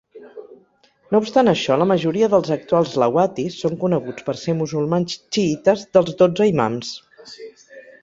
No obstant això, la majoria dels actuals lawatis són coneguts per ser musulmans xiïtes dels dotze imams.